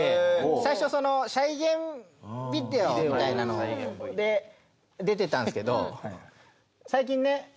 最初再現ビデオみたいなので出てたんですけど最近ね？